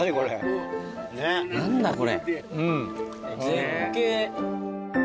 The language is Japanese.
絶景。